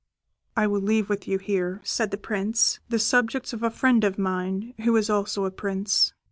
"I will leave with you here," said the Prince, "the subjects of a friend of mine, who is also a prince.